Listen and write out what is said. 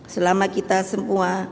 selama kita semua